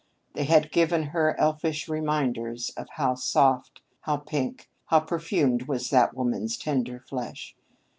They had given her elfish reminders of how soft, how pink, how perfumed was that woman's tender flesh.